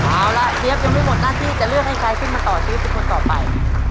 เอาละเจี๊ยบยังไม่หมดหน้าที่จะเลือกให้ใครขึ้นมาต่อชีวิตเป็นคนต่อไป